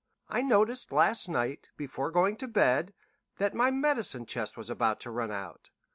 I noticed last night, before going to bed, that my medicine chest was about run out.